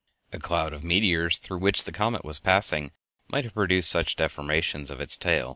A cloud of meteors through which the comet was passing might have produced such deformations of its tail.